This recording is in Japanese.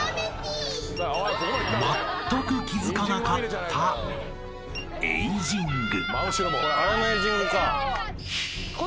［まったく気付かなかったエイジング］